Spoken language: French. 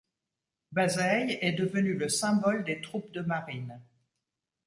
Bazeilles est devenu le symbole des troupes de marine.